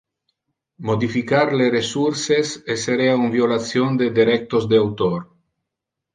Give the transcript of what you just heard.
Modificar le ressources esserea un violation de derectos de autor.